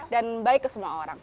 dan baik ke semua orang